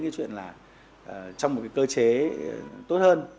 cái chuyện là trong một cái cơ chế tốt hơn